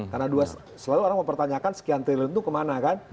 karena selalu orang mempertanyakan sekian triliun itu kemana kan